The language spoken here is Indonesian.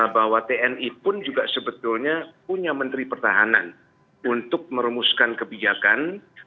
bahwa tni pun juga sebetulnya punya menteri pertahanan untuk merumuskan kebijakan